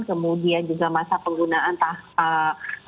kemudian juga masa penggunaan tahapan